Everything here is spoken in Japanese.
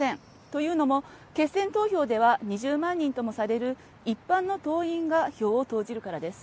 というのも決選投票では２０万人ともされる一般の党員が票を投じるからです。